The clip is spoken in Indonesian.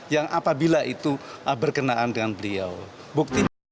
yang apabila itu berkenaan dengan beliau